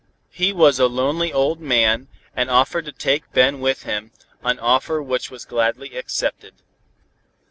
He was a lonely old man, and offered to take Ben with him, an offer which was gladly accepted.